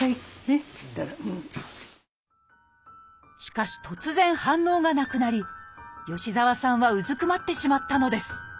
っつったらしかし突然反応がなくなり吉澤さんはうずくまってしまったのですああ